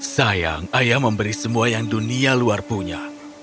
sayang ayah memberi semua yang dunia luar punya